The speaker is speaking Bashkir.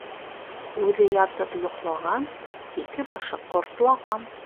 Үҙе ятып йоҡлаған, һике башы ҡортлаған.